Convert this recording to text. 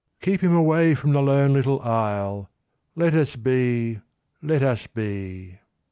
1. Keep him away from the lone little isle. Let us be, let us be.